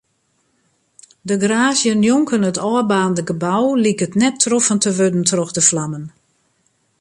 De garaazje njonken it ôfbaarnde gebou liket net troffen te wurden troch de flammen.